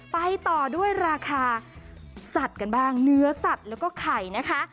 ไปต่อด้วยราคาสัตว์กันบ้างเนื้อสัตว์แล้วก็ไข่นะคะ